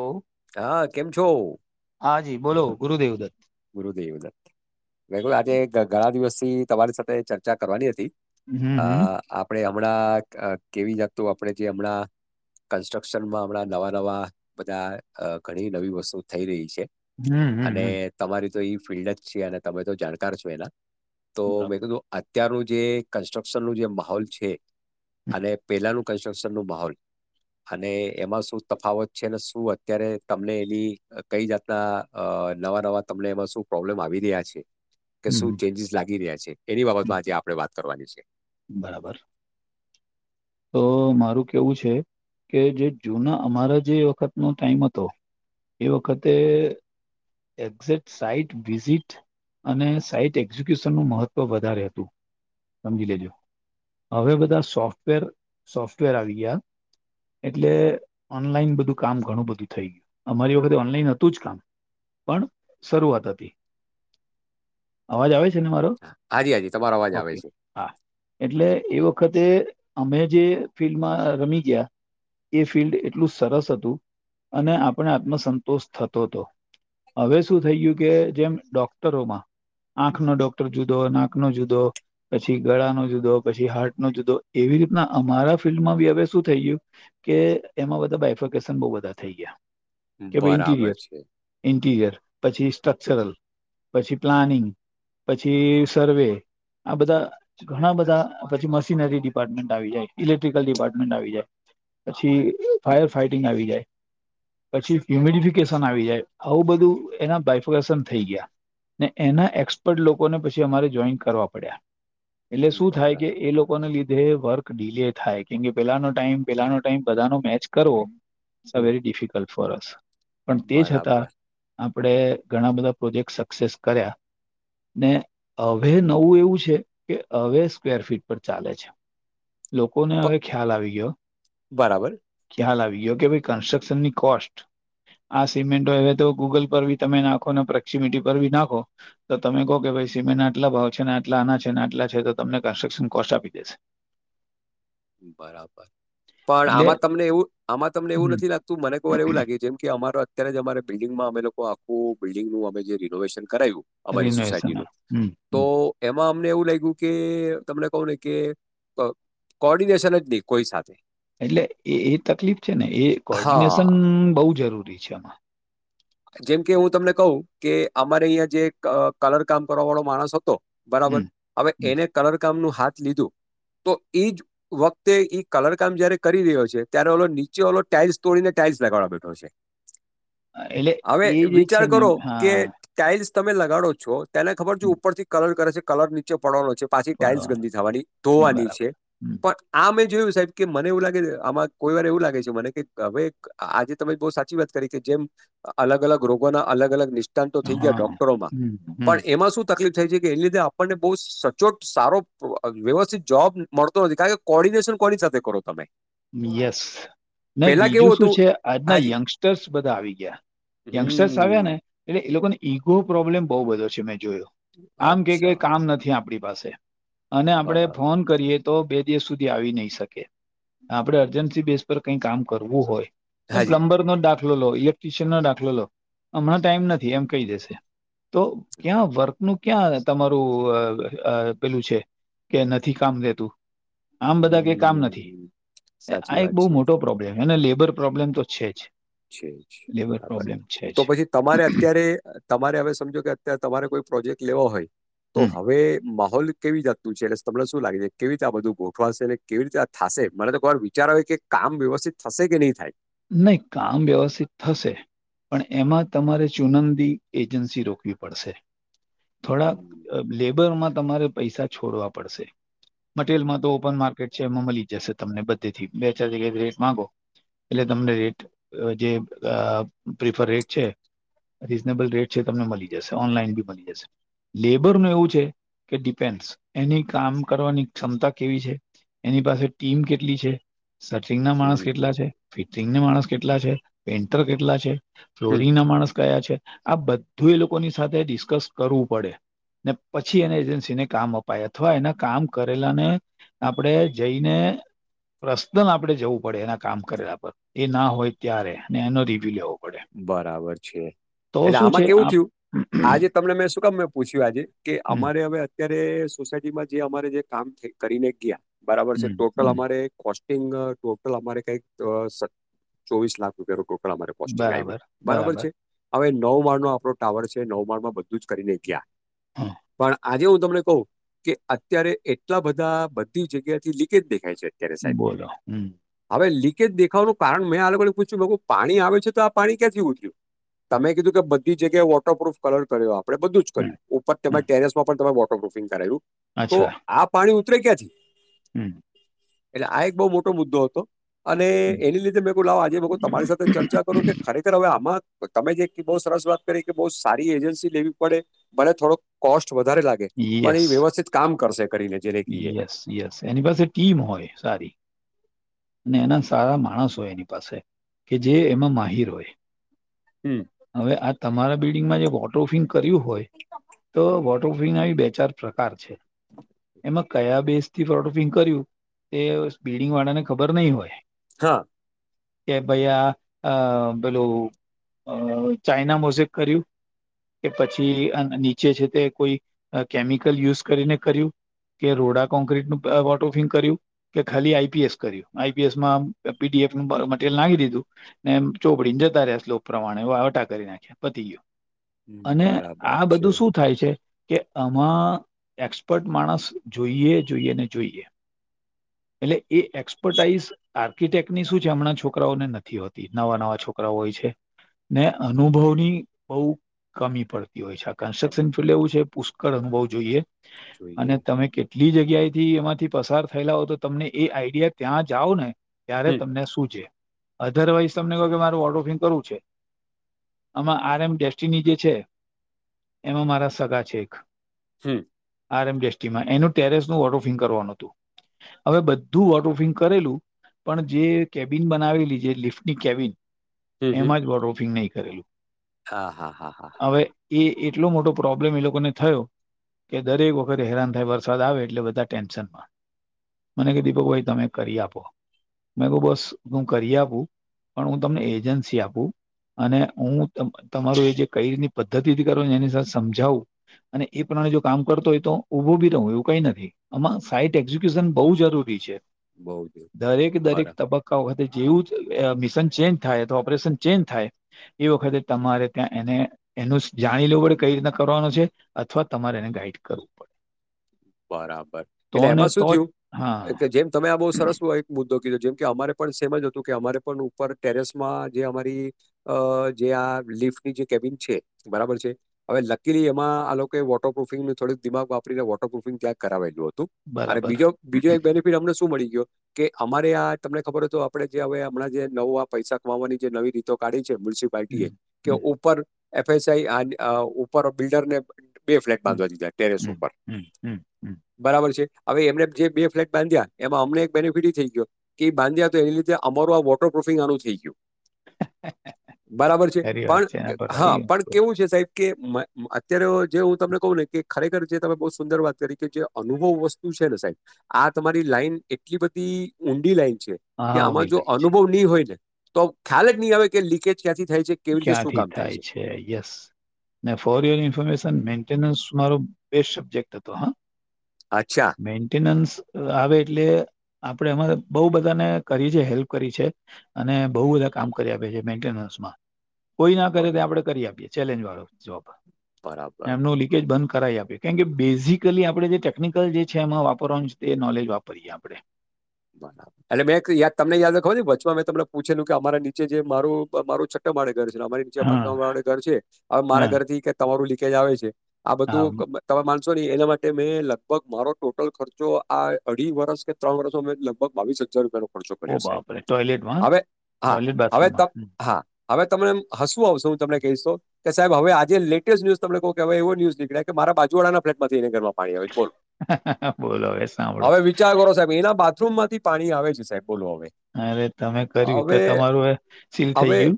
હ. હા કેમ છો? હા જી બોલો ગુરુદેવ દત્ત. ગુરુદેવ દત્ત આજે ઘણા દિવસથી તમારી સાથે ચર્ચા કરવાની હતી. હમ અ હમ આપણે હમણાં કેવી જાગતું આપણે જે હમણાં કન્સ્ટ્રક્શનમાં હમણાં નવા નવા બધા ઘણી નવી વસ્તુ થઈ રહી છે. હમ્મ. અને તમારી તો એ ફિલ્ડ જ છે અને તમે તો જાણકાર છો એના તો હમ મેં કીધું અત્યારનું જે કન્સ્ટ્રક્શન નું જે માહોલ છે અને પેલાનું કન્સ્ટ્રક્શન નું માહોલ અને એમાં શું તફાવત છે શું અત્યારે તમને એની કઈ જાતના અ નવા નવા તમને એમાં શું પ્રોબ્લેમ આવી રહ્યા છે કે શું હમ ચેન્જીસ લાગી રહ્યા છે. એની હમ બાબતમાં આજે આપડણે વાત કરવાની છે. બરાબર તો મારું કેવું છે કે જે જૂના અમારા જે વખતનો ટાઈમ હતો. એ વખતે એક્ઝે્ટ સાઈટ વિઝિટ. અને સાઈટ એક્ઝિક્યુશનનું મહત્વ વધારે હતું સમજી લેજો. હવે બધા સોફ્ટવેર સોફ્ટવેર આવી ગયા એટલે ઓનલાઈન બધું કામ ઘણું બધું થઈ ગયું અમારી વખતે ઓનલાઈન હતું જ કા પણ શરૂઆત હતી. [inaudible] અવાજ આવે છે ને મારો હા, હાજી હાજી તમારો અવાજ આવે ઓકે છે. હા એટલે એ વખતે અમે જે ફિલ્ડમાં રમી ગયા. એ ફિલ્ડ એટલું સરસ હતું અને આપણે આત્મસંતોષ થતો હતો. હવે શું થઈ ગયું કે જેમ ડોક્ટરોમાં. આંખ નો ડોક્ટર જુદો નાક નો જુદો પછી ગળાનો જુદો પછી હાર્ટ નો જુદો. એવી રીતના અમારા ફિલ્ડમાં બી હવે શું થઈ ગયું કે એમાં બધા બાયફરકેશન બહુ બધા થઈ ગયા કે ભાઈ બરાબર ઇન્ટીરિયર છે ઇન્ટીરિયર પછી સ્ટ્રક્ચરલ પછી પ્લાનિંગ પછી સર્વે આ બધા ઘણા બધા પછી મશીનરી ડિપાર્ટમેન્ટ આવી જાય ઇલેક્ટ્રિકલ ડિપાર્ટમેન્ટ આવી જાય પછી ફાયર ફાઈટિંગ આવી જાય. પછી હ્યુમિડફિકેશન આવી જાય આવું બધું એના બાયફકેસન થઈ ગયા. ને એના એક્સપર્ટ લોકોને પછી અમારે જોઈન કરવા પડ્યા. એટલે શું થાય બરા કે એ લોકોને લી ઘે વર્ક ડીલે થાય કેમકે પેલાનો ટાઈમ પેલાનો ટાઈમ બધાનો મેચ કરવો. It's a hmm very difficult for us પણ તે છતા બરાબર આપણેે ઘણા બધા પ્રોજેક્ટ સક્સેસ કર્યા. ને હવે નવું એવું છે કે હવે સ્ક્વેર ફીટ પર ચાલે છે. લોકોને પ હવે ખ્યાલ આવી ગયો. બરાબર ખ્યાલ આવી ગયો કે ભાઈ કન્સ્ટ્રક્શન ની કોસ્ટ આ સિમેન્ટો હવે તો ગૂગલ પર બી તમે નાખો ને પ્રક્ષીમીટી પર ભી નાખો તો તમે કહો કે ભાઈ સિમેન્ટ આટલા ભાવ છે ને આટલા આના છે ને આટલા છે તો તમને કન્સ્ટ્રક્શન કોસ્ટ આપી દેશે. બરાબર પણ આમાં એટલે તમને એવું આમાં તમને એવું નથી લાગતું મને વાર એવું લાગે જેમ કે અમારો અત્યારે જ અમારે બિલ્ડિંગમાં અમે લોકો આખું બિલ્ડિંગનું અમે જે રિનોવેશન કરાયું અમારી સોસાયટી રિનોવેશન નું તો હમ એમાં અમને એવું લાગ્યું કે તમને કહું ને કે ક કોર્ડિનેશન જ નહીં કોઈ સાથે એટલે એ એ તકલીફ છે ને એ કોર્ડિનેશન હા બહુ જરૂરી છે આમાં જેમ કે હું તમને કહું કે અમારે અહિયાં જે અ કલર કામ કરવા વાળો માણસ હતો બરાબર હમ હવે હમ. એને કલર કામ નુ હાથ લીધું તો એજ વખતે ઈ કલર કામ જયારે કરી રહ્યો છે ત્યારે ઓલો નીચે ઓલો ટાઈલ્સ તોડીને ટાઇલ્સ લગાડવા બેઠો છે. એટલે હવે એ જે વિચાર છે ને કરો કે હા ટાઇલ્સ તમે લગાડો છો તેને ખબર છે ઉપર થી કલર કરે છે કલર નીચે પડવાનો છે પાછી ટાઈલ્સ પાડવાનું ગંદી થવાની ધોવાની છે બરાબર હમ. પણ આ મેં જોયું સાહેબ કે મને એવું લાગે છે આમાં કોઈ વાર એવું લાગે છે મને કે હવે આજે તમે બહુ સાચી વાત કરી કે જેમ અલગ અલગ રોગોના અલગ અલગ ની ષ્ણાતો થઈ હા ગયા ડોક્ટરોમાં હમ પણ હમ એમાં શું તકલીફ થાય છે કે એ લીધે આપણને બહુ સચોટ સારો વ્યવસ્થિત જોવાબ મળતો નથી કારણ કે કોર્ડિનેશન કોની સાથે કરો તમે યસ ને પહેલા બીજું કેવું શું હતું છે, આજના હાજી યંગસ્ટર્સ બધા આવી ગયા યંગસ્ટર્સ આવ્યા ને હમ એટલે એ લોકોને ઈગો પ્રોબ્લેમ બહુ બધો છે મેં જોયો આમ કે અચ્છા કે કામ નથી આપણી પાસે અને આપડે બરાબર ફોન કરીએ તો બે દિવસ સુધી આવી નહી શકે આપડે અર્જન્સી બેસ પર કંઈ કામ કરવું હોય, ને હા જી પ્લમ્બર નો દા ખલો લો, ઇલેક્ટ્ર્રીશિયન નો દાખલો લો, હમણાં ટાઈમ નથી એમ કહી દેશે. તો ક્યાં વર્ક નું ક્યાં તમારું અહ પેલું છે? કે નથી કામ લેતું, આમ બધા કેય કામ નથી. હમ્મ સાચી આ એક વાત બહુ છે મોટો પ્રોબ્લેમ. અને લેબર પ્રોબ્લેમ તો છે જ. છે-છે લેબર બરાબર પ્રોબ્લેમ છે જ તો પછી તમારે અત્યારે તમારે હવે સમજો કે અત્યારે તમારે કોઈ પ્રોજેક્ટ લેવો હોય. તો હમ, હવે માહોલ કેવી જાતનું છે એટલે તમને શું લાગે છે કેવી રીતે આ બધું ગોઠવાશે ને કેવી રીતે આ થાશે મને તોઈ વાર વિચારોય કે કામ વ્યવસ્થિત થશે કે ની થાય. નહી કામ વ્યવસ્થિત થશે. પણ એમાં તમારે ચુનંદી એજન્સી રોકવી પડશે. થોડાક હમ્મ લેબરમાં તમારે પૈસા છોડવા પડશે. મટીરીયલ માં તો ઓપન માર્કેટ છે એમાં મલી જ જશે તમને બધે થી બે ચાર જગ્યાએ રેટ માંગો. એટલે તમને રેટ અ જે અ પ્રિફર રેટ છે. રીઝનેબલ રેટ છે તમને મલી જશે ઓનલાઈન બી મલી જશે. લેબરનુ એવું છે કે ડિપેન્સ એની કામ કરવાની ક્ષમતા કેવી છે. એની પાસે ટીમ કેટલી છે. સટિંગ ના માણસ કેટલા હમ્મ છે, ફિટિંગ ના માણસ કેટલા છે, પેન્ટર કેટલા છે. હમ્મ ફ્લોરી ના માણસ કયા છે આ બધું એ લોકોની સાથે ડિસ્કસ કરવું પડે. ને પછી એને એજન્સીને કામ અપાય અથવા એના કામ કરેલાને. આપણેે જઈને પર્સનલ આપડે જવું પડે એના કામ. કર્યા પર એ ના હોય ત્યારે અને એનો રિવ્યુ લેવો. પડે બરાબર છે. તો એટલે શું આમાં છે કેવું આપ થયું આજે હમ તમને મેં શું કામ પૂછ્યું આજે કે અમારે હવે અત્યારે સોસાયટીમાં જે અમારે જે કામ કરીને ગયા બરાબર છે હમ ટોટલ હમ અમારે કોસ્ટ કોસ્ટિંગ ટોટલ અમારે કઈક અ સત ચોવીસ લાખ રૂપિયા ટોટલ અમારે. માર્ઝીન આવ્યું બરાબર બરોબર બરાબર છે. હવે નવ માળ નો આપણો ટાવર છે નવ માળમાં બધું જ કરીને ગયા હા પણ આજે હું તમને કહું કે અત્યારે એટલા બધા બધી જગ્યા થી લીકેજ દેખાય છે. તેરે સાઇડ. બોલો હમ હવે લીકેજ દેખાવાનું કારણ મેં આ લોકો પૂછ્યું પાણી આવે છે તો પાણી ક્યાંથી ઊઠ્યું તમે કીધું કે બધી જગ્યાએ વોટરપ્રુફ કલર કર્યો આપડે બધું જ હમ કર્યું ઉપર હમ ટેરેસમાં પણમે વોટર પ્રુફિંગ કરાવ્યું તો આ પાણી ઉતરે ક્યાં થી? હમ્મ. એટલે આ એક બહુ મોટો મુદ્દો હતો અને એની લીધે મેં લાવ આજે તમારી સાથે ચર્ચા કરો કે ખરેખર હવે આમાં તમે જે બહુ સરસ વાત કરી કે બહુ સારી એજન્સી લેવી પડે મને થોડોક કોસ્ટ વધારે લાગે પણ યસ એ વ્યવસ્થિત કામ કરશે કરીને. જેને કહીએ યસ યસ એની પાસે ટીમ હોય સારી. અને એના સારા માણસ હોય એની પાસે કે જે એમાં માહીર હોય. હમ્મ. હવે આ તમારા બિલ્ડિંગમાં જે વોટરફિંગ કર્યું હોય તો વોટરફઈ નાબી આઈ બે ચાર પ્રકાર છે. માં કયા બેઝથી ફોડફિંગ કર્યું એ સ્પીડિંગ વાળા ને ખબર નહી હોય. હા. કે ભાઈયા એ પેલું અ ચાઈના મોઝેક કર્યું. કે પછી અહ નીચે છે તે કોઈ અહ કેમિકલ યુઝ કરીને કર્યું કે રોડા કોંક્ર્રીટ નું અહ વોટોફિંગ કર્યું કે ખાલી આઈ પી એસ કર્યું આઈ પી એસ માં પી ડી એફ મટીરિયલ નાખી દીધું ને એમ ચોપડી ને જતા રહ્યા સલોક પ્રમાણે વાવટા કરી નાખ્યા પતિ ગયો. હમ, અને બરાબર આ છે બધું શું થાય છે કે આમાં એક્સપર્ટ માણસ જોઈએ જોઈએ ને જોઈએ. એટલે એ એક્સપર્ટાાઈઝ આર્કિટેક્ટની શું છે? હમણાં છોકરાઓને નથી હોતી નવા નવા છોકરાઓ હોય છે. ને અનુભવની બહુ કમી પડતી હોય છે. આ અમે કન્સ્ટ્રક્શન પણ લેવું છે. પુષ્કળ અનુભવ જોઈએ. જોઈએ અને તમે કેટ કેટલી જગ્યાથી એમાંથી પસાર થયેલા હોય, તો તમને એ આઈડિયા ત્યાં જાઓ ને. ત્યારે હમ તમને શું છે? અધરવાઈઝ તમને કહું કે મારે વોડ ઓફિંગ કરવું છે. આમાં આર એમ ડેસ્ટિની જે છે, એમાં મારા સગા છે એક. હમ. આર એમસટીમાં એનું ટેરેસ નું વોટરફિંગ કરવાનું હતું. હવે બધું વોટરફિંગ કરેલું. પણ જે કેબિન બનાવેલી છે. લિફ્ટની કેબિન. હમ હમ એમાં જ બો રોફિંગ નહીં કરેલું. હા હા હા હા હવે હા. એ એટલો મોટો પ્રોબ્લેમ એ લોકોને થયો. કે દરેક વખત હેરાન થાય, વરસાદ આવે એટલે બધા ટેન્શન માં. મને કે દીપક હમ, ભાઈ તમે કરી આપો. મેં કહ્યું, બસ હું કરી આપું, પણ હું તમને એજન્સી આપું. અને હું તમારું એ જે કઈ રીતની પદ્ધતિ કરુંને, એની સાથે સમજાવું. અને એ પ્રમાણે જો કામ કરતો હોય તો, ઊભો બી રહુ એવું કંઈ નથી. આમાં સાઈટ એક્ઝિક્યુશન બહુ જરૂરી છે. બહુ જરૂરી દરેક છે બરાબર દરેક તબક્કા વખતે જેવું મિશન ચેન્જ થાય, તો ઓપરેશન. ચેન્જ થાય એ વખતે તમારે ત્યાં એને એનું જાણી લેવું પડે કંઈ રીતના કરવાનું છે, અથવા તમારે એને ગાઈડ કરવું પડે. બરાબર, તો એટલે ને એમાં શું તો જ થયું હા કે જેમ તમે આ બહુ સરસ હોય. મુદ્દો કીધો, જેમ કે અમારે પણ સમજ હતું કે અમારે પણ ઉપર ટેરેસમાં જે અમારી અ જે આ લિફ્ટની જે કેબિન છે, બરાબર છે‌. હવે લખી રી એમાં આ લોકો વોટરપુફિંગનું થોડુંક દિમાગ વાપરી. પ્રુફિંગ ક્યાંક કરાવેલું હતું અને બરાબર બીજો બીજો એક બેનિફિટ અમને શ મળી ગયો. કે અમારે આ તમને ખબર તો, આપડે જે હવે હમણાં જે નવું આ પૈસા કમાવાની જે નવી રીતો કાઢી છે મ્યુસ હમ કે હમ ઉપર એફસઆઈ ઉપર બિલ્ડરને બે ફ્લેટ હમ બાંધવા દી જાય ટેરેસ હમ ઉપર. હમ, હમ. હમ. બરાબર છે, હવે એમને જે બે ફ્લેટ બાંધ્યા એમાં અમને એક બેનિફિટ થઈ ગયો. કે બાંધ્યા તો એને લીધે અમારું આ વોટર પ્રુફિંગ આનું થઈ ગયું. બરાબર છે, સારી વાત પણ છે એના પર હા, આવી પણ ગયો કેવું છે સાહેબ કે અત્યારે જે હું તમને કહું ને, કે ખરેખર જે તમે સુંદર વાત કરી કે જે અનુભવ વસ્તુ છે ને સાહેબ આ તમારી લાઈન એટલી બધી ઊંડી લાઈન છે. કે હાઉડી આમાં જો લાઈન છે અનુભવ નહી હોય ને, તો ખ્યાલ જ નહીં આવે કે લીકેજ ક્યાંથી થાય છે. કેવી રીતે શું ક્યાંથી કામ થાય છે, yes. For your information, maintenance મારો બેસ્ટ સબ્જેક્ટ હતો, હા. અચ્છા. મેન્ટેનન્સ આવે એટલે આપડે એમાં બહુ બધાને કરી છે હેલ્પ કરી છે. અને બહુ બધા કામ કરી આપ્યા છે મેન્ટેનન્સ માં. કોઈ ના કરે તે બરા આપડે કરી આપીએ, ચેલેન્જ વાળો જવાબ બરાબર. એમનું લીકેજ બંધ. કરાઈ આપીએ, કારણ કે બેઝિકલી આપણેે જે ટેકનિકલ જે છે એમાં વાપરવાનું છે તે નોલેજ વાપરીએ આપણે. બરાબર એટલે મેં એક યાદ તમને યાદ રાખવા ને વચમાં મેં તમને પૂછેલું કે અમારા નીચે જે મારું માર ઘર છે અમારી નીચેે હા, ઘર છે હવે મારા હા, ઘર થી કે તમારું લીકેજ આવે છે. આ હા, બધું તમે માનશો નહી એના માટે મેં લગભગ મારો ટોટલ ખર્ચો આ અઢી વર્ષ કે ત્રણ વર્ષ મે લગભગ બાવીસ હજાર રૂપ ચો ઓ કર્યો સાહેબ બાપરે! ટોયલેટમાં? હવે હા ટોયલેટ હવે ત બાથરૂમમાં? હા હવે તમને હસવું આવશે હું તમને કહીશ તો કે સાહેબ હવે આજેટેસ્ટ ન્યુઝ તને કહ કેવાય એવ ન્યુઝ નીકળ્યા કે મારા બાજુવાડાના ફ્લેટમાંથીઈને ઘરમાં પાણી આવે છે, બોલો બોલો હવે સાંભળો હવે વિચાર કરો સાહેબ એના બાથરૂમ માંથી પાણી આવે છે, સાહેબ બોલો હવે અરે તમે કર્યું તો હવે તમારું સીલ થઈ હવે ગયુ.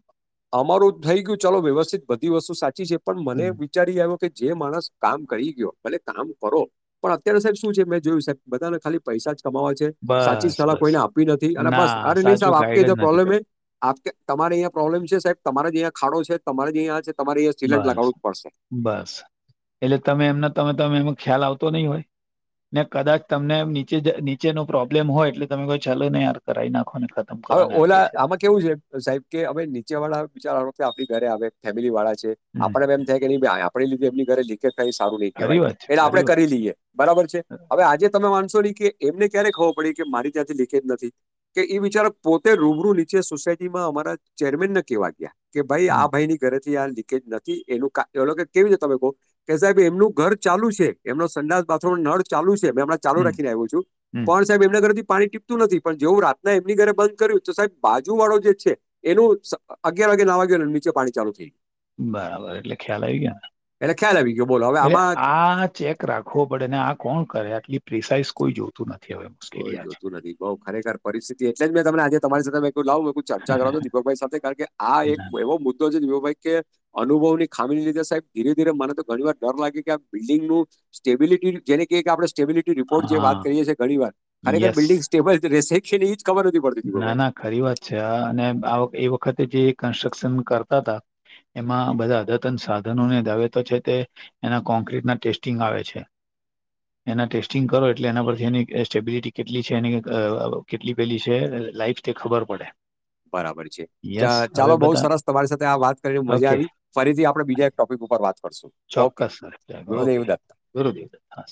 અમારું થઈ ગયું ચાલો વ્યવસ્થિત બધી વસ્તુ સાચી છે, પણ મને હમ. વિચારી આવ્યો કે જે માણસ કામ કરી ગયો ભલે કામ કરો પણ અત્યારે સાહેબ શું છે મેં જોયું સાહેબ બધાને ખાલી પૈસા જ કમાવા છે. સાચી બસ, સલાહ બસ. કોઈને આપી નથી અને બસ ના, અરે નહી સાચું સાહેબ આપ ગાઈડ જ કે નથી પ્રોબ્લેમ એ કર્યું. આપ તમારે અહીંયા પ્રોબ્લેમ છે સાહેબ તમારે જે અંયા ખાડો છે તમારેં છે, તમારે અહીંયા સિલેન્ટ બસ, લાવવું જ પડશે બસ એટલે તમે એમના તમે તમે એમાં ખ્યાલ આવતો નહી હોય. ને કદાચ તમને નીચે નીચે ન પ્રોબ્લેમ હોય એટલે તમે કો ચાલો નને યાર કરાઈ નાખો ને હવે કરો ને આ કે ઓલા છે. આમાં કેવું છે સાહેબ કે અમે નીચે વાળા બચારવા કે આપણી ઘરે આવે ફેમિલી વાળા છે. હમ, આપડ એમ થાય કે ન આપ લીધ એમ ઘરે લીકે થાય સારું નહી ખરી કહેવાય વાત છે, એટલે આપે ખરી વાત. કરી લઈએ બરાબર છે હવે આજે તમે માનશો નહી કે એમને ક્યારે ખબર પડી કે મારી ત્યાંથી લીખેજ નથી. કે એ વિચાર પોતે રૂબરૂ નીચે સોસાયટીમાં અમારા ચેરમેનને કેવા ગયા. કે ભાઈ આ હમ, ભાઈ ની ઘરેથી આ લીકેજ નથી એ કેવી રીતે તમે બહ કે સાહેબ એમનું ઘર ચાલુ છે એમનો સંડા બાથમ નળ ચાલુ છેમણા. ચાલુ હમ, રાખીને આવ્યો છું હમ. પણ સાહેબ એમના ઘરેથી પાણી ટીપતું નથી પણ જેવું રાતના એમની ઘરે બંધ ્યું તો સાહેબ બાજુ વાળો જે છે એનું અગિયાર વાગે ના વાગે અને નીચે પાણી ચાલુ થઈ ગયુ. બરાબર એટલે ખ્યાલ આવી ગયા ગયું એટલે ખ્યાલ આવી ગયો બોલો હવે ને એટલે આમાં આ ચેક રાખવો પડે ને આ કોણ કરે આટલી પ્રિસાઇસ કોઈ જોતું નથી. હવે મુશ્કેલી કોઈ આ છે જોતું નથી બઉ ખરેખર પરિસ્થિતિ એટલે જ મેં તમનેજે તમારી સાથે મેંુંાવ ચર્ચા કર છો દીપકભાઈ સાથે કારણ કે આ એક ના, ના. એવો મુદ્દો છે, દીપકભાઈ કે અનુભવ ની ખામી લીધે સાહેબ ધીરે ધીરે મને તો ઘણી વાર ડર લાગે કે આ બિલ્ડિંગ નુ સ્ટેબિટી જેને ક કે આપણે સેબલિટી રિપોર્ટ જે હા વાત કરીએીએ ઘણી વાર ખરેખર યસ બિલ્ડિંગ સ્ટેબલ એ જ ખબર નથી પડતી દીપકભાઈ ના ના ખરી વાત છે હ અને એ વખતે જે કન્સ્ટ્રક્શન કરતા હતા. એમાં બધા અદતન સાધનોને દાવે તો છે, તે એના કોન્ક્ર્રીટ ના ટેસ્ટિંગ આવે છે. એના ટેસ્ટિંગ કરો એટલે એના પરથી એની સ્ટેબિલિટી કેટલી છે, એની કેટલી પેલી લાઈફ તે ખબર પડે બરાબર છે. યસ હવે ચાલો બઉુ બધા સરસ તમારી સાથે આ વાત કરીને મજા ઓકે આવી ફરીથી આપડણે બીજા એક ટોપિક ઉપર વાત કરશું ઓકે ચોક્કસ સર ગુરુદેવ ઓકે દત્ત ગુરુ દ હા